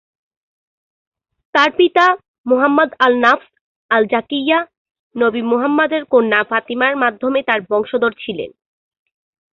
তাঁর পিতা, Muhammad al Nafs al Zakiyyah, নবী মুহাম্মদের কন্যা ফাতিমার মাধ্যমে তাঁর বংশধর ছিলেন।